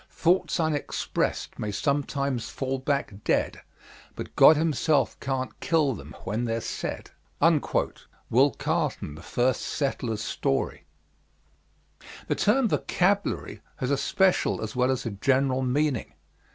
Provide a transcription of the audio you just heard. Thoughts unexpressed many sometimes fall back dead; But God Himself can't kill them when they're said. WILL CARLETON, The First Settler's Story. The term "vocabulary" has a special as well as a general meaning.